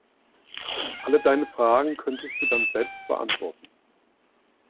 All deine Fragen könntest du dann selbst beantworten.